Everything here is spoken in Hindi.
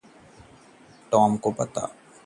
टॉम को पता है?